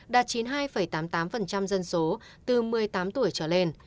đạt chín mươi hai tám mươi tám dân số từ một mươi tám tuổi trở lên